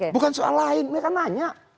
bukan soal lain mereka nanya